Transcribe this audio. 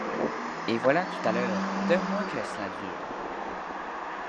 Et voilà tout à l’heure Deux mois que cela dure?